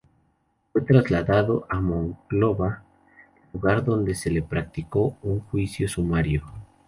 Fue trasladado a Monclova, lugar donde se le practicó un juicio sumario.